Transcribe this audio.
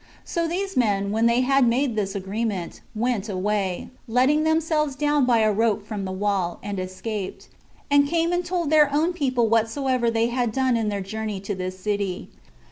So these men, when they had made this agreement, went away, letting themselves down by a rope from the wall, and escaped, and came and told their own people whatsoever they had done in their journey to this city.